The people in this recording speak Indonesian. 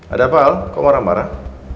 ada apa al kok marah marah